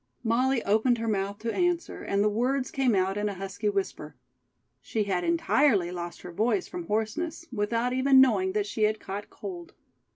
Molly opened her mouth to answer, and the words came out in a husky whisper. She had entirely lost her voice from hoarseness, without even knowing that she had caught cold.